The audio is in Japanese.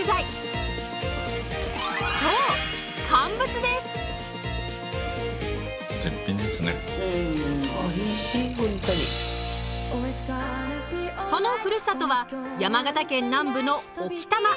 そうそのふるさとは山形県南部の置賜。